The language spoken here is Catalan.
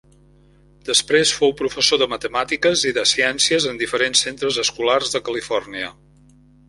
Després fou professor de matemàtiques i de ciències en diferents centres escolars de Califòrnia.